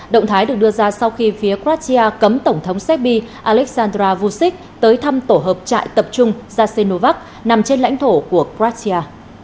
động thái được đưa ra sau khi phía kratia cấm tổng thống segb aleksandr vucic tới thăm tổ hợp trại tập trung jasenovac nằm trên lãnh thổ của kratia